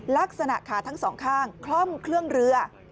ลักษณะขาทั้งสองข้างคล่อมเครื่องเรือ